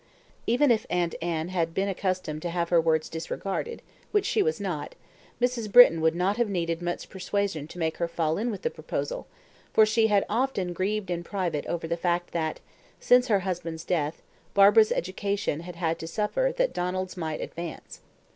Even if Aunt Anne had been accustomed to have her words disregarded which she was not Mrs. Britton would not have needed much persuasion to make her fall in with the proposal, for she had often grieved in private over the fact that, since her husband's death, Barbara's education had had to suffer that Donald's might advance.